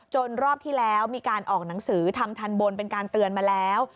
รอบที่แล้วมีการออกหนังสือทำทันบนเป็นการเตือนมาแล้ว